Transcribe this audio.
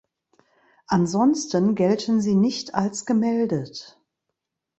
Ansonsten gelten sie nicht als gemeldet.